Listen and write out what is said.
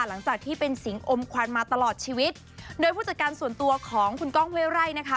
หลังจากที่เป็นสิงอมควันมาตลอดชีวิตโดยผู้จัดการส่วนตัวของคุณก้องเว้ไร่นะคะ